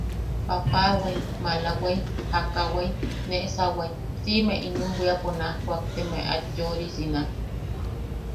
Papawaim, malawai, jakawai, neʼesawai, siʼime inim bwiapo naj kuakteme aet yosirina.